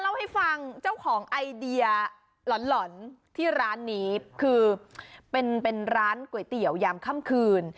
เล่าให้ฟังเจ้าของไอเดียหล่อนหล่อนที่ร้านนี้คือเป็นร้านก๋วยเตี๋ยวยามค่ำคืน